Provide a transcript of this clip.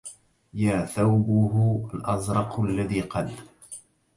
يا ثوبه الأزرق الذي قد